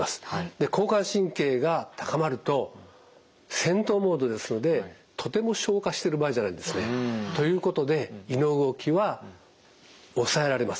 交感神経が高まると戦闘モードですのでとても消化してる場合じゃないんですね。ということで胃の動きは抑えられます。